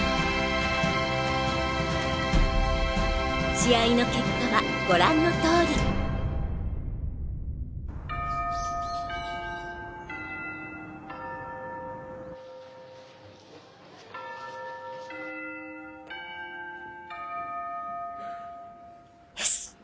試合の結果はご覧の通りよし。